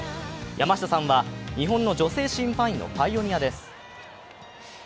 山下さんは日本の女性審判員のパイオニアです。